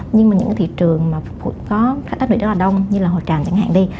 nhưng mà những thị trường mà phục vụ có khách áp lực rất là đông như là hồ tràm chẳng hạn đi